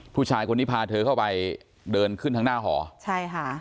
ผู้ชายคนนี้พาเธอเข้าไปเดินขึ้นทางหน้าหอใช่ค่ะ